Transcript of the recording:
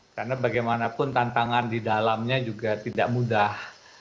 karena bagaimanapun tantangan di dalamnya juga tidak mudah